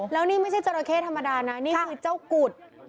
แล้วนี่ไม่ใช่จราเข้ธรรมดานะนี่คือเจ้ากุฎ